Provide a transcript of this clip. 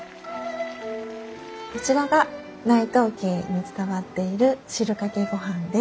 そちらが内藤家に伝わっている汁かけ御飯です。